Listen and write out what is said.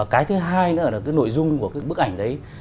cái thứ hai nữa là nội dung của bức ảnh đấy